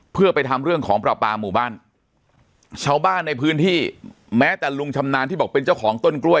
เพื่อไปทำเรื่องของปลาปลาหมู่บ้านชาวบ้านในพื้นที่แม้แต่ลุงชำนาญที่บอกเป็นเจ้าของต้นกล้วย